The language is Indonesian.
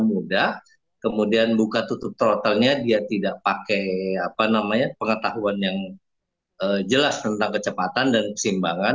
mudah kemudian buka tutup throttle nya dia tidak pakai pengetahuan yang jelas tentang kecepatan dan kesimbangan